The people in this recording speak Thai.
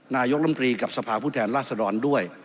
นายกลำบรีกับสภาพูดแทนราษฎรดร์ด้วย